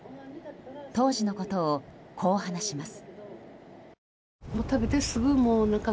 当時のことをこう話します。